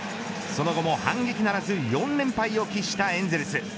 その後も反撃ならず４連敗を喫したエンゼルス。